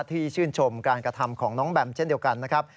ที่ชื่นชมการกระทำของน้องแบมเช่นเดียวกันนะครับ